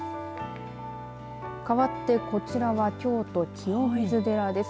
かわってこちらは京都清水寺です。